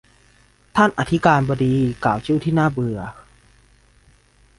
ท่านอธิการบดีกล่าวชื่อที่น่าเบื่อ